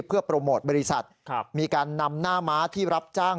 เพื่อโปรโมทบริษัทมีการนำหน้าม้าที่รับจ้าง